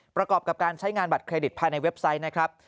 ประกอบกับการใช้งานบัตรเครดิตภายในเว็บไซต์นะครับ